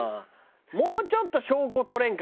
もうちょっと証拠撮れんかね？